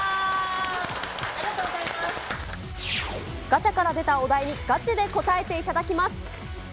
ガチャから出たお題にガチで答えていただきます。